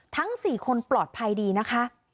ทั้ง๔คนปลอดภัยดีนะคะ